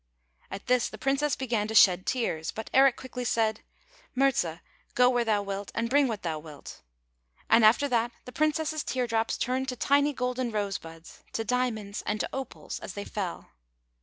At this the Princess began to shed tears, but Eric quickly said, '' Murza, go where thou wilt, and bring what thou wilt," and after that the Princess* tear drops turned to tiny golden rose buds, to diamonds, and to opals as they fell.